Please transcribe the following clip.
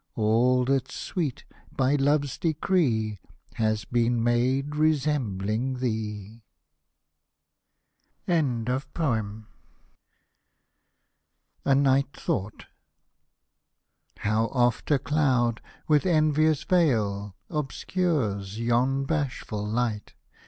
All that's sweet, by Love's decree, Has been made resembling thee ! A NIGHT THOUGHT How oft a cloud, with envious veil, Obscures yon bashful light.